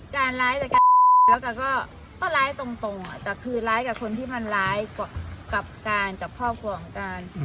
การร้ายแต่กันแล้วกันก็ร้ายตรงแต่คือร้ายกับคนที่มันร้ายกับการกับครอบครัวของการ